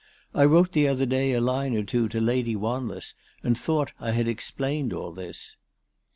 I wrote the other day a line or two to Lady Wanless and thought I had ex plained all this."